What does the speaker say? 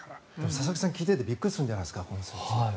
佐々木さん、聞いていてびっくりするんじゃないですか